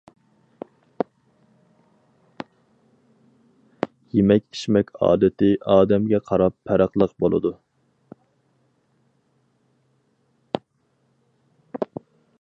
يېمەك- ئىچمەك ئادىتى ئادەمگە قاراپ پەرقلىق بولىدۇ.